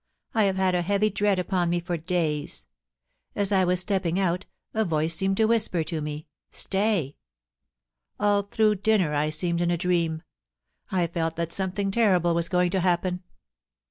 ... I have had a heavy dread upon me for days. As I was stepping out, a voice seemed to whisper to me^ " Stay !" All through dinner I seemed in a dream. I felt that something terrible was going to happen.